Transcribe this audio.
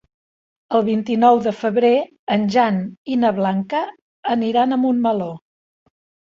El vint-i-nou de febrer en Jan i na Blanca aniran a Montmeló.